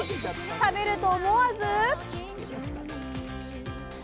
食べると思わず。